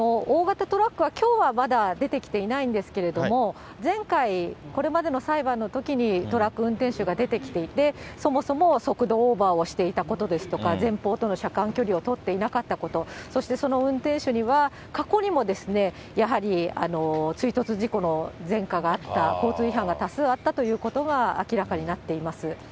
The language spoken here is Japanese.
大型トラックは、きょうはまだ出てきていないんですけれども、前回、これまでの裁判のときにトラック運転手が出てきていて、そもそも速度オーバーをしていたことですとか、前方との車間距離を取っていなかったこと、そしてその運転手には、過去にもやはり追突事故の前科があった、交通違反が多数あったということが明らかになっています。